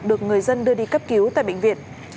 được người dân đưa đi cấp cứu tại bệnh viện